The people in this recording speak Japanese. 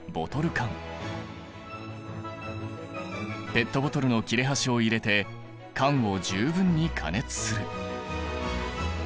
ペットボトルの切れ端を入れて缶を十分に加熱する。